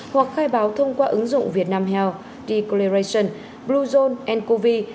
hoặc khai báo thông qua ứng dụng vietnam health declaration blue zone covid